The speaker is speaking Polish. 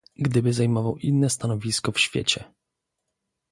"Gdyby zajmował inne stanowisko w świecie“."